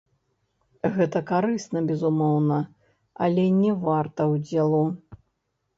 Гэта карысна, безумоўна, але не варта ўдзелу.